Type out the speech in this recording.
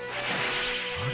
あれ？